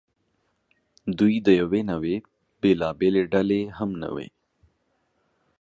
دوی د یوې نوعې بېلابېلې ډلې هم نه وې.